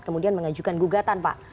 kemudian mengajukan gugatan pak